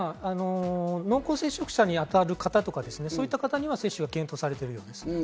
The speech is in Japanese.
濃厚接触者に当たる方とかそういった方には接種は検討されているようです。